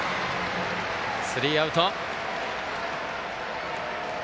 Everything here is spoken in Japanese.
スリーアウト。